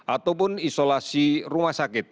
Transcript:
ataupun isolasi rumah sakit